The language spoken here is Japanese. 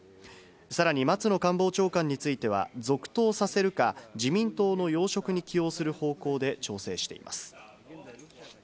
さらに松野官房長官については、続投させるか、自民党の要職に起用する方向で調整しています。